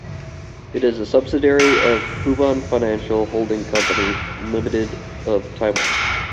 It is a subsidiary of Fubon Financial Holding Company, Limited of Taiwan.